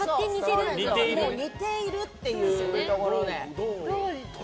似ているっていうところで。